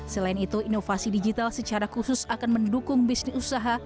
selain itu inovasi digital secara khusus akan mendukung bisnis usaha